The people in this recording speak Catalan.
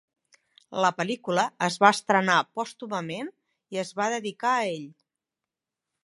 La pel·lícula es va estrenar pòstumament i es va dedicar a ell.